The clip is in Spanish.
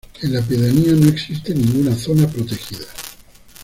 En la pedanía no existe ninguna zona protegida.